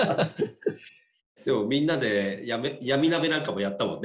みんなで闇鍋なんかもやったもんね。